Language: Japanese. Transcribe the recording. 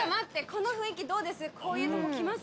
この雰囲気どうです？